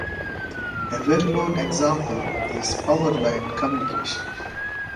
A well-known example is power line communication.